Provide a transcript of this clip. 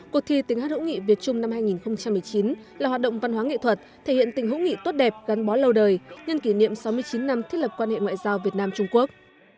cuộc thi tiếng hát hữu nghị việt trung năm hai nghìn một mươi chín là hoạt động văn hóa nghệ thuật thể hiện tình hữu nghị tốt đẹp gắn bó lâu đời nhân kỷ niệm sáu mươi chín năm thiết lập quan hệ ngoại giao việt nam trung quốc